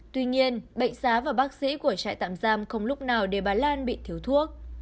tuy nhiên bệnh xá và bác sĩ của trại tạm giam không lúc nào để bà lan bị thiếu thuốc